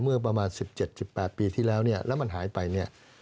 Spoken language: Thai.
เมื่อประมาณ๑๗๑๘ปีที่แล้วเนี่ยแล้วมันหายไปเนี่ย